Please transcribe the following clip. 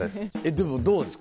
でもどうです？